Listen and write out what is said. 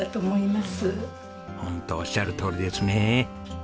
ホントおっしゃるとおりですねえ。